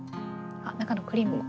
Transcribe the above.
あ中のクリームも。